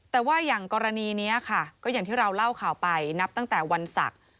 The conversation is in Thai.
แต่ว่าอย่างกรณีนี้ค่ะก็อย่างที่เราเล่าข่าวไปนับตั้งแต่วันศักดิ์